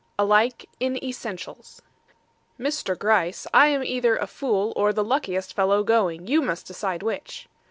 ALIKE IN ESSENTIALS "Mr. Gryce, I am either a fool or the luckiest fellow going. You must decide which."